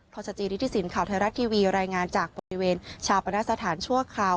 ขอสจริทธิสินข่าวไทยรัตน์ทีวีรายงานจากบริเวณชาวบรรณสถานชั่วคราว